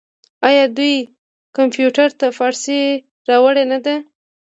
آیا دوی کمپیوټر ته فارسي راوړې نه ده؟